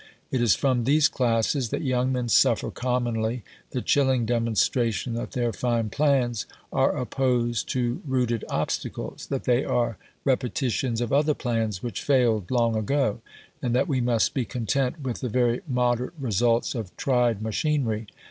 It is from these classes that young men suffer commonly the chilling demonstration that their fine plans are opposed to rooted obstacles, that they are repetitions of other plans which failed long ago, and that we must be content with the very moderate results of tried machinery.